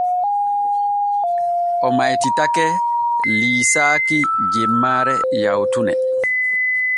O maytitake liisaaki jemmaare yawtune.